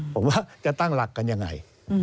ผมว่าจะตั้งหลักกันยังไง